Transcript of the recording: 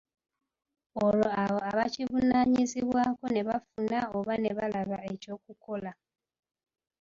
Olwo abo abakivunaanyizibwako ne bafuna oba ne balaba ekyokukola.